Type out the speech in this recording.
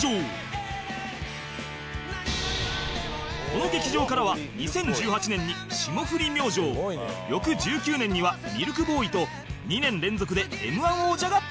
この劇場からは２０１８年に霜降り明星翌２０１９年にはミルクボーイと２連続で Ｍ−１ 王者が誕生